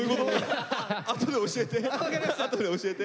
あとで教えて。